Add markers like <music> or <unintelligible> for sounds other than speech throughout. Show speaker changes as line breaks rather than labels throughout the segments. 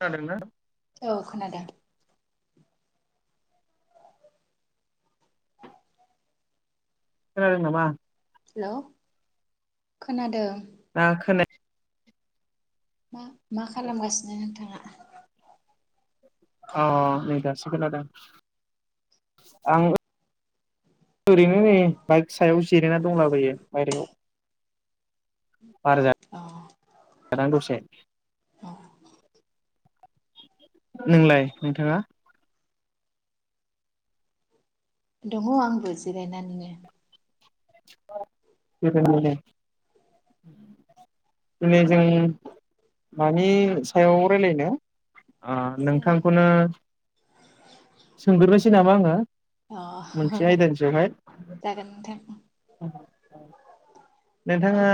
खोनादोंना?
औ खोनादों।
खोनादों नामा?
हेल' खोनादों।
ना खोनाय।
ह। मा खालामगासिनो नोंथाङा।
अ नै दासो खोनादों आं ओ। ओरैनो नै बाइक सायाव जिरायना दंलाबोयो बायेरायाव।
अ
बारजादां दसे
अ
नोंलाय नोंथाङा।
दङ आंबो जिरायनानैनो।
बेबायनो दिनै जों मानि सायाव रायलायनो।
जों
नोंथांखौनो सोंगोरोसै नामा आङो
अ
मोनसे आयदानि सायावहाय।
जागोन नोंथां
औ। नोंथाङा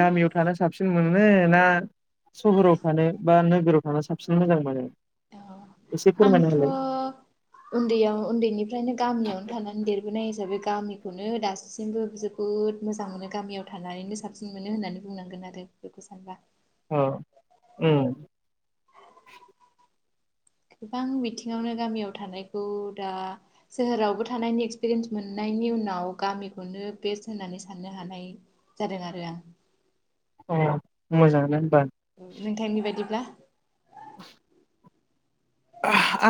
गामियाव थानो साबसिन मोनो ना सहराव थानो बा नोगोराव थानो साबसिन मोजां मोनो।
औ
एसे फोरमायना
आंथ'
होलाय
उन्दैयाव उन्दैनिफ्रायनो गामियावनो थानानै देर बोनाय हिसाबै गामिखौनो दासिमबो जोबोद मोजां मोनो गामियाव थानानैनो साबसिन मोनो होननानै बुंनांगोन आरो बेखौ सानबा
औ उम
गोबां बिथिङावनो गामियाव थानायखौ दा सोहोरावबो थानायनि एक्सपिरियेन्स मोननायनि उनाव गामिखौनो बेस्ट होननानै साननो हानाय जादों आरो आं
अ मोजांनो
नोंथांनिबायायदिब्ला
<inaudible>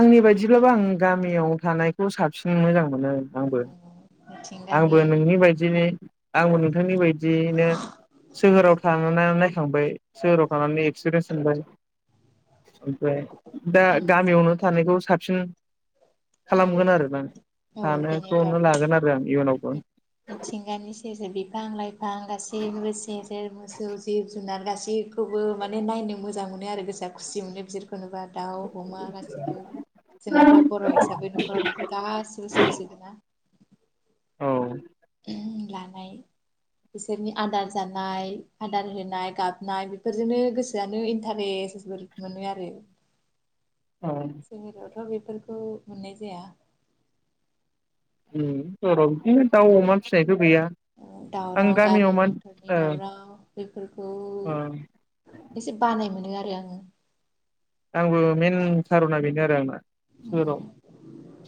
आंनि बायदिब्लाबो आं गामियाव थानायखौ साबसिन मोजां मोनो आंबो
मिथिंगानि
आंबो नोंनि बायदि आंबो नोंथांनि बायदियैनो सोहोराव थानानै नायखांबाय सोहोराव थांनानै एक्सपिरियेन्स थांबाय ओमफ्राय दा गामियावनो थानायखौ सा बसिन खालामगोन आरो ना थानोखौनो लागोन आरो आं। इयुनावबो
मिथ-मिथिंगानि सेजों बिफां लाइ फां गासैबो सेर सेर मोसौ जिब जुनार गासै गासिखौबो माने नायनो मोजां मोनो आरो गोसोआ खुसि मोनो बिसोर खौ नुबा दाउ अमा गासिबो जोंनाथ बर हिसाबै नखराव बेफोर गासि खिलिसोदोना?
औ।
लानाय बिसोरनि आदार जानाय आदार होनाय गाबनाय बेफोरजोंनो गोसोआनो इन्टारेस्टबो मोनो आरो।
औ
जोंनि रावथ बेफोरखौ मोननाय जाया।
उम बिदिनो दाव अमा फिनाय
दावराव गारि मथरनि
ओ
दावराव बेफोरखौ
ओ
एसे बानाय मोनो आ रो आङो।
आंबो मेन खारना बेनो आरो आंना। सोहोराव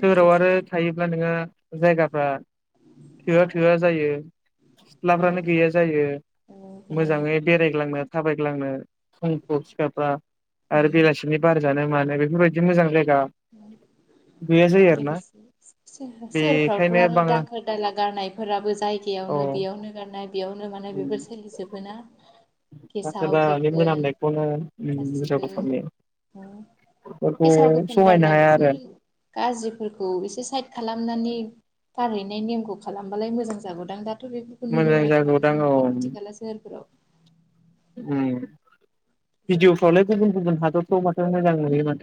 सोहोराव आरो थायोब्ला नोङो जायगाफ्रा थोआ थोआ जायो।
औ
सिथ्लाफ्रानो गैया जायो
औ बेनो
मोजाङै बेरायग्लांनो थाबायग्लांनो फुं फ्राव सिखारब्ला आरो बेलासि नि बार जानो मानो बेफोर बायद दि मोजां जायग
लोगोसे सो-सोहो-सोहोरफ्रावथ
बेखायनो
आरो
बाङो
दाखोर दाला गारनायफोराबो
औ
जायगायावनो बेयावनो गारनाय बेयावनो माने बेफोर सोलिजोबोना।
आतसा
गेसाव
दा बे
गोफोन
मोनामनायखौनो
गासिबो <unintelligible>
<unintelligible> हाया आरो
बिसोर गाज्रिफोरखौ एसे साइद खालामनानै फानहैनाय नेमखौ खालामबालाय मोजां जागौदां दा जोंथ बेफोरखौ नुनो
मोजां
मोनाखै माथो
जागौदां
जोंनि बे खाथि खाला सोहोरफोराव।
उम भिडिअफ्रावलाय गुबुन गुबुन हादरफ्राव माथो मोजां नुयोमोन।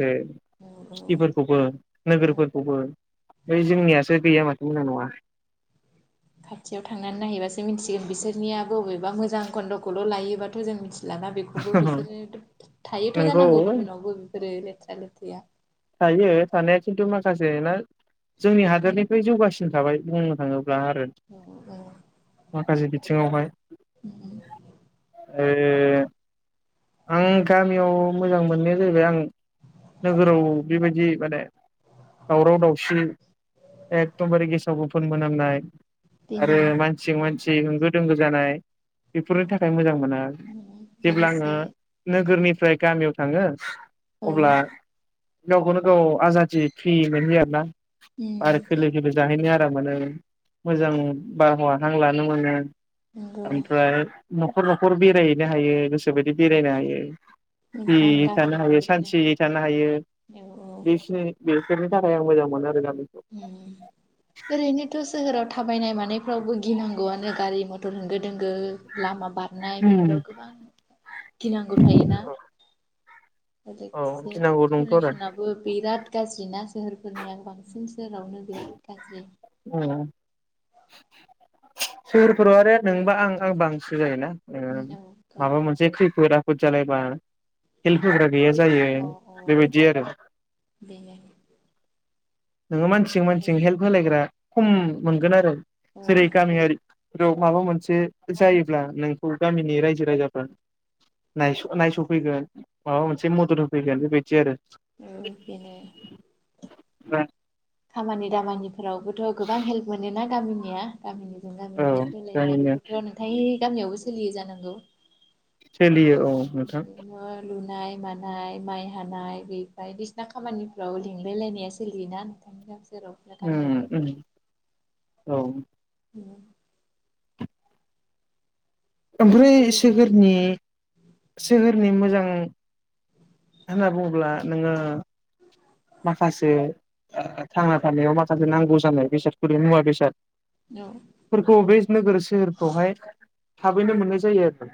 सिटिफोरखौबो नोगोरफोरखौबो बै जोंनियासो गैया माथो। नंगौ ना नङा?
खाथियाव थांनानै नायैबासो मिथिगोन बिसोरनियाब बबेबा मोजां खन्दखौल लायोबाथ जों मिथि लाना बेखौबो बिसोरो थायोथ जानांगौ
नंगौ
गुबुनावबो बेफोरो लेथ्रा लेथ्रिया।
थायो थानाया खिन्थु माखासे ना जोंनि हादोरनिफ्राय जौगासिन थाबाय बुंनो थाङो ब्ला आरो
औ औ
माखासे बिथिङावहाय <unintelligible> आं गामियाव मोजां मोननाया जाहैबाय आं नोगोराव बेबायदि माने दावराव दावसि एखदमबारे गेसाव गोफोन मोनामनाय आरो
बेनो
मानसिजों मान सि होंगो दोंगो जानाय बेफोरनि थाखाय मोजां मोना
<unintelligible>
जेब्ला आङो
लोगोसे
नोगोरनिफ्राय गामियाव थाङो
औ
अब्ला गावखौनो गाव आजादि फ्रि मोनहैयो आरो ना बार खोलो खोलो जाहैनो आर <unintelligible> मोनो मोजां बारहावा हां लानो मोनो
नंगौ
ओमफ्राय न'खर न'खर बेरायहैनो हायो गोसोबायदि बेरायनो हायो
मोजां
स्रि थानो
गामियाबो
हायो
बिदिनो
सानथियै थानो हायो
औ
बेसिनि बेयो फोरनि थाखाय आं मोजां मोनो आरो गामि
उम ओरैनोथ' सोहोराव थाबायनाय मा नायफ्रावबो गिनांगौआनो गारि मथर होंगो दोंगो लामा बारनाय बेफोराव गोबां गिनांगौ थायोना
औ
लोगोसे
गिनांगौ दंथ' आरो
पलुस'नाबो बिराद गाज्रिना सोहोरफोरनिया बां सिन जेरावनो बिराद गाज्रि
ओं। सहोरफोराव आरो नोंबा आं आंबा आंसो जायोना। ओ माबा मोनसे खैफोदा फोद जालायबा हेल्प होग्रा गैया जायो
औ अ
बेबायदि आरो।
बेनो
नोङो मानसिजों मानसिजों हेल्प होलायग्रा। खम मोनगोन आरो
औ
जेरै गामियारि ग्रौ माबा मोनसे जायोब्ला नोंखौ गामिनि रायजो रायजाफ्रा नायस' नायस'फैगोन माबा मोनसे मदद होफैगोन बेबायदि आरो।
औ बेनो।
<unintelligible>
खामानि दामानि। रावबोथ' गोबां हेल्प मोनोना। गामिनिया। गामिनिजों
औ
गामिनि हेल्प होलायनाय
गामिनो
बेफोरथ' नुथाय। गामियावबो सोलियो जानांगौ।
सोलियो। औ नोंथां
<unintelligible> लुनाय मानाय माइ हानाय गैबाय बायदिसिना खामानिफ्राव लिंलाय लायनाया सोलियोना नोंथां। जेरावबो
उम
गामियावबो।
उम औ।
<unintelligible>
ओमफ्राय
ओरैनो
सोहोरनि सोहोरनि मोजां। होनना बुङोब्ला नोंओ। माखासे थांना थानायाव माखासे नांगौ जानाय बेसादफोरि मुवा बेसाद।
औ
फोरखौ बे नोगोर सोहोरफ्रावहाय थाबैनो मोननाय जायो आरो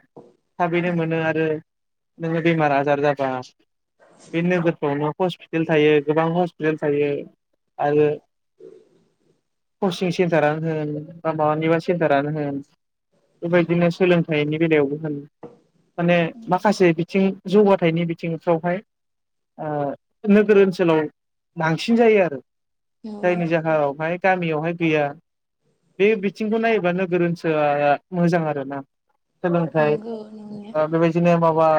थाबैनो मोनो आरो। नोंओ बिमार आजार जाबा। बि नोगोरफोरावनो। हस्पिटेल। थायो गोबां हस्पिटाल थायो। <unintelligible> सेन्टारानो होन बा माबानिबा सेन्टारानो होन बेबायदिनो सोलोंथाइनि बेलायावबो। माने माखासे बिथिं। जौगाथायाइनि बिथिंफ्रावहाय। नोगोर ओनसोलाव बांसिन जायो आरो।
औ
जायनि जाहायावहाय गामियाव। बहाय गैया बे बिथिंखौ नायोबा नोगोर ओनसोआ मोजां आरोना। सोलोंथाइ
नंगौ नंनाया
बा बेबायदिनो माबा।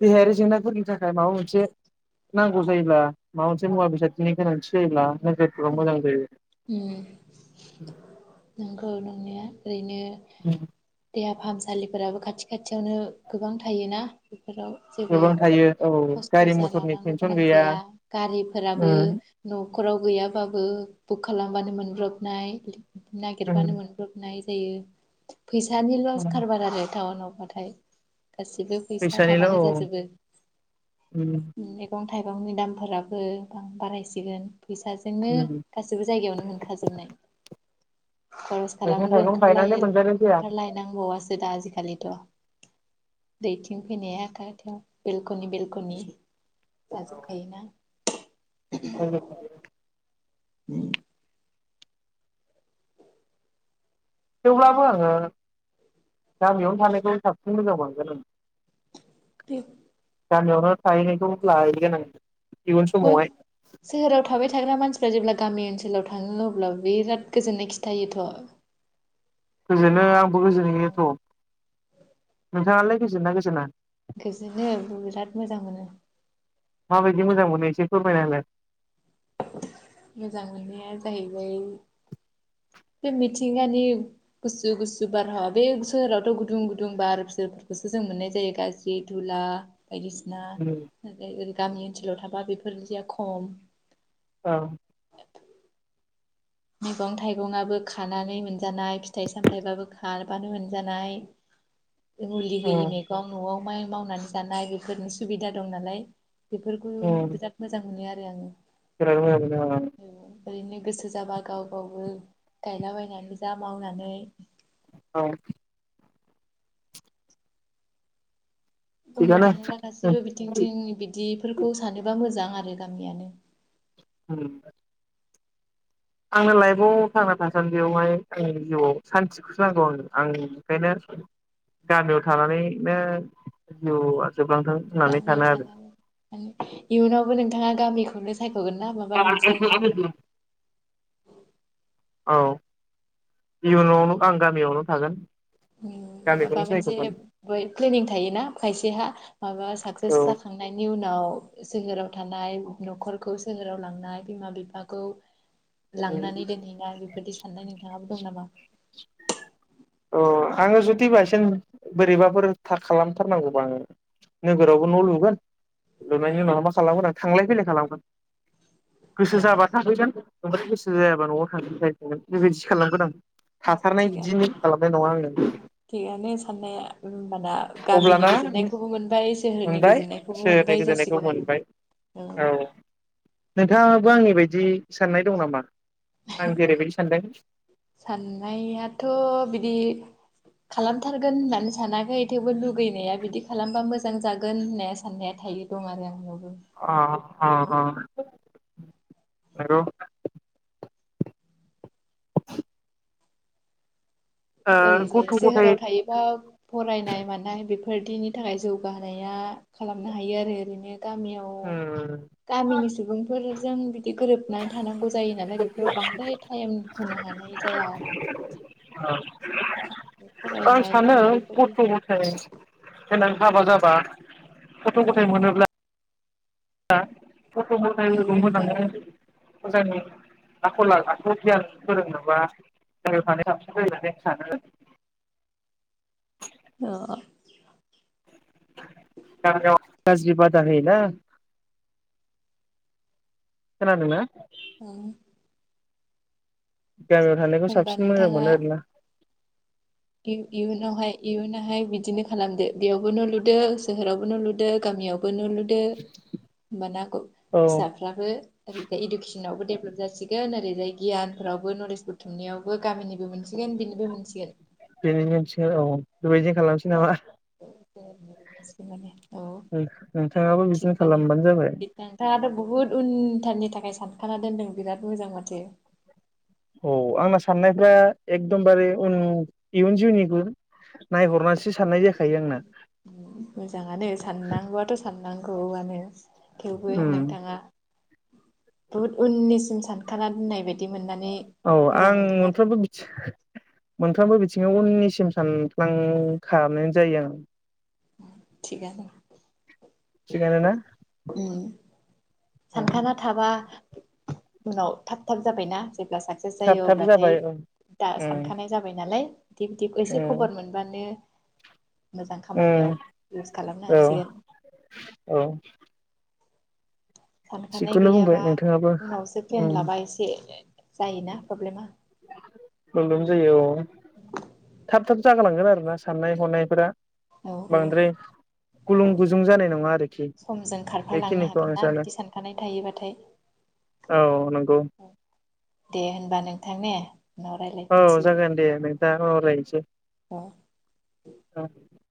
देहायारि जेंनाफोरनि थाखाय माबा मोनसे। नांगौ जायोला माबा मोनसे मुवा बेसादथिनि गोनांथि जायोब्ला। नोगोरफोराव मोजां जायो
उम नंगौ नंनाया। ओरैनो। देहा फाहामसालिफोराबो खाथि खाथियावनो गोबां थायोना। बेयाव जेबो
गोबां थायो औ
खस्थ'
गारि मथरनि
जालांनो
टेनसन
गोनां
गैया
जाया गारिफोराबो
उम
न'खराव गैयाब्ला। बुक खालामबानो मोनब्रबनाय
उम
नागिरबानो मोनब्रबनाय जायो। फैसानि लस खारबार आरो टाउनाव नाथाय गासिबो फैसा
फैसानिल' औ
थाबानो जाजोबो
उम
मैगं थाइगंनि दामफोरा बां बारायसिगोन फैसा जोंनो
उम
गासिबो जायगायावनो मोनखाजोबनाय खरस
मैगं
खालामनोबो
थाइगं गायनानै
ओंखारलायेल
मोनजानाय जाया
ओंखारलायनांबावासो दा आजिखालिथ' दैथिं फैनाया आथि बेलक'नि बेलक'नि जाजोबखायो ना?
औ <unintelligible>
उम
थेवब्लाबो ओ गामियावनो थानायखौ साबसिन मोजां मोनांगोन ओं
दे
गामियावनो थाहैनायखौ लाहैगोन आं इयुन
बय
समावहाय
सोहोराव थाबाय थाग्रा मानसि या जेब्ला गामि ओनसोलाव थाङो अब्ला बिराद गोजोननाय खिथायोथ'
गोजोननो आ आंबो गोजोनहयोथ' नोंथाङालाय गोजोनोना गोजोना?
गोजोननो आंबो बिराद मोजां मोनो
माबायदि मोजां मोनो एसे फोरमायना होलाय?
मोजां मोननाया जाहैबाय बे मिथिंगानि गुसु गुसु बारहावा बे सोहोरावथ' गुदुं गुदुं बार बिसोरफोरखौसो जों मोननाय जायो गाज्रि धुला। बायदिसिना ओरै गामि ओनसोलाव थाबा बेफोरदिया खम
औ
मैगं थाइगंआबो खानानै मोनजानाय फिथाइ सामथायाइबाबो खाबानो मोनजानाय। मुलि
औ
होयि मैगं न'आव माइ मावनानै जानाय बेफोरनि सुबिदा दं नालाय बेफोरखौनो
औ
बिराद मोजां मोनो आरो आङो
<unintelligible>
ओरैनो गोसो जाबा गाव गावबो गायलाबायनानै जा मावनानै।
औ
बुंनो
थिगानो
थाङोबा गासैबो बिथिंथिं बिदिफोरखौ सानोबा मोजां। आरो गामियानो।
उम आंनो लाइफआव थांना थासान्दियावहाय आंनि जिउआव सान्थिखौसो नांगौ आंनो आं ओंखायनो गामियाव थानानैनो जिउ आ
गामियाव थानानै <unintelligible> इयुनावबो नों नोंथाङा गामिखौनो सायख'गोन ना माबा मोनसे?
औ इयुनावनो आं गामियावनो थागोन।
ओं माबा
गामिखौनो
मोनसे
सायख'गोन
बै प्लेनिं थायोना खायसेहा माबा
औ
साक्सेस जाखांनायनि उनाव सोहोराव थानाय न'खरखौ सोहोराव लांनाय बिमा बिफाखौ। लांनानै दोनहैनाय बेफोरदि साननाय नोंथाङाबो दं नामा?
अ आङो जुदि बायसान्स बोरैबाफोर थाखालामथारनांगौबा आङो नोगोरावबो न' लुगोन लुनायनि उनाव मा खालामगोन आं थांलाय फैलाय खालामगोन। गोसो जाबा थाहैगोन। बांद्राय गोसो जायाबा न'आव थांगोन थाह थांगोन बेबायदि सि खालामगोन आं। थाथारनाय बिदि खालामनाय नङा
थिगानो
आङो
थिगानो साननाया होमबाना गामिनि
अब्लाना
गोजोननायखौबो मोनबाय सोहोरनि
मोनबाय
गोजोननायखौबो
सोरनि
मोनबाय
गोजोननायखौ
जासिगोन
मोनबाय
आरोना औ
नोंथाङाबो आंनि बायदि साननाय दं नामा? आं जेरैबायदि सानदों।
नयआथ' बिदि खालामथारगोन होननानै सानाखै थेवबो लुगैनाया बिदि खालामबा मोजां जागोन होननाया साननाया थायो दं आरो आंनियाव।
अ अ अ नोंगौ। <inaudible>
ओरैजाय
गथ' गथाय
सोहोराव थायोबा फरायनाय मानाय बेफो बेफोरदिनि थाखाय जौगाहोनाया खालामनो हायो आरो ओरैनो। गामियाव
उम
गामिनि सुबुंफोरजों बिदि गोरोबनानै थानांगौ जायो नालाय बेफोराव बांद्राय टाइम होनो हानाय जाया आरो।
औ आं
फरायनाय
सानो
लिरनाय बेफोरदि
गथ' ग'थाइ देनां हाबा जाब बा गथ'
औ
गथाय मोनोब्ला गथ' गथायफोरखौ
नोंथांखौ
मोजाङै मोजाङै आख'ल आखु गियान फोरोंनोबा <unintelligible> जायो सानो
ओ
गामियाव गाज्रि बादा होयोना खोनादोंना
औ
गामियाव थानायखौ
होनबा
साबसिन मोजां
नोंथाङा
मोनो आरोना
इयुनावहाय इयुनाहाय बिदिनो खालामदो बेयावबो न' लु दो सोहोराव लुदो गामियावबो न' लुदो होमबाना
औ
फिसाफ्राबो इडुकेसनावबो डेभलप जासिगोन ओरैहाय गियानफ्रावबो नलेज बथुमनायावबो गामिनिबो मोनसिगोन बेनिबो मोनसिगोन
<unintelligible> औ बेबायदिनो खालामनोसै नामा
<unintelligible>
नोंथाङाबो बिदिनो खालामबानो जाबाय
बुहुत उनथारनि थाखाय सानखाना दोनदों बिराद मोजां माथो
औ आंना साननायफ्रा एक दमबारे उन इयुन जिउनिबो
मोजाङानो साननांगौआथ' साननांगौआनो थेवबो
उम
नोंथाङा बुहुत उननिसिम सानखाना दोननाय बायदि मोननानै
औ
मोजां
आं
मोनदों आरो
मोनफ्रोमबो मोनफ्रोमबो थिङाव उननिसिम सानफ्लांखानाय जायो आं
थिगानो
थिगानो ना
उम सानखाना थाबा उनाव थाब थाब जाबायना जेब्ला साक्सेस
थाब
जायो
थाब
अब्लाथाय
जाबाय औ
दा
उम
सानखानाय जाबाय नालाय बिदि बिदि एसे
उम
खबर मोनबानो मोजां
उम
खामानियाव इउस खालामनो
औ
हासिगोन
औ
सानखानाय
थिगखौनो बुंबाय
गैयाबा
नोंथाङाबो
उनावसो
उम
प्लेन लाबा एसे जायोना प्रब्लेमा
प्रब्लेम जायो औ थाब थाब जागालांगोन आरो ना साननाय हनायफोरा
औ औ
बांद्राय गुलुं गुजुं जानाय नङा आरोखि बेखिनिखौ आं सानो
थायोब्ला
औ नंगौ
दे होनबा नोंथां ने उनाव
औ
रायज्लायफिनसिगोन
जागोन दे नोंथा
औ
<unintelligible>